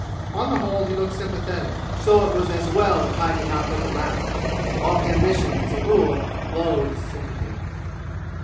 On the whole he looked sympathetic, so it was as well that Hyde did not look around. Balked ambition as a rule loathes sympathy.